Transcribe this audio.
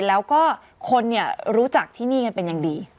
แล้วก็คนรู้จักที่นี่กันเป็นอย่างดี